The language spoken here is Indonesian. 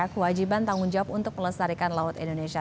kewajiban tanggung jawab untuk melestarikan laut indonesia